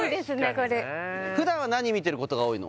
これ普段は何見てることが多いの？